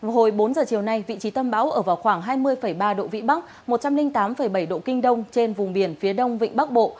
hồi bốn giờ chiều nay vị trí tâm bão ở vào khoảng hai mươi ba độ vĩ bắc một trăm linh tám bảy độ kinh đông trên vùng biển phía đông vịnh bắc bộ